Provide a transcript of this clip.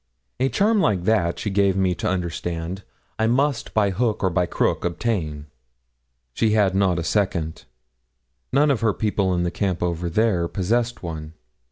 A charm like that, she gave me to understand, I must by hook or by crook obtain. She had not a second. None of her people in the camp over there possessed one.